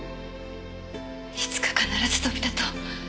いつか必ず飛び立とう。